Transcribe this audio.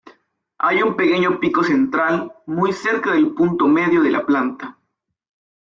Hay un pequeño pico central, muy cerca del punto medio de la planta.